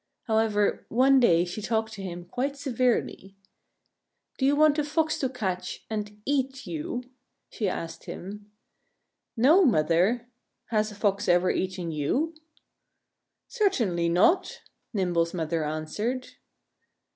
However, one day she talked to him quite severely. "Do you want a Fox to catch and eat you?" she asked him. "No, Mother!... Has a Fox ever eaten you?" "Certainly not!" Nimble's mother answered.